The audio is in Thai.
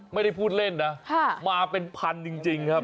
ไม่ได้พูดเล่นนะมาเป็นพันจริงครับ